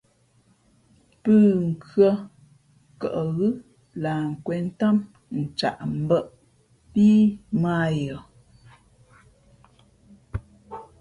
Pûnkhʉ̄ᾱ kαʼ ghʉ́ lah nkwēn ntám ncaʼ mbᾱʼ pí mᾱ ā yαα.